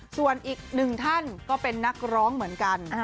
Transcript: ส่วนอีกหนึ่งท่านก็เป็นนักร้องเหมือนกัน